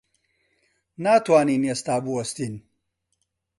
ناتوانین ئێستا بوەستین.